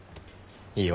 いいよ。